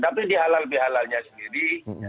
tapi di halal bihalalnya sendiri